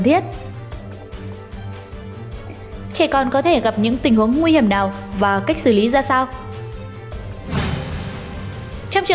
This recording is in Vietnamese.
thiết trẻ con có thể gặp những tình hướng nguy hiểm nguy hiểm nguy hiểm nguy hiểm nguy hiểm nguy hiểm nguy hiểm nguy hiểm nguy hiểm